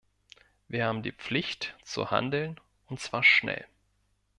Wir haben die Pflicht, zu handeln und zwar schnell.